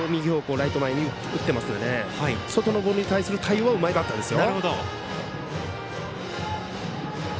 ライト前に打ってますので外のボールに対する対応はうまいバッターですよ。